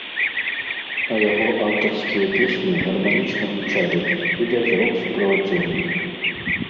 А яго аўтарскія песні гарманічна гучалі і без рок-суправаджэння.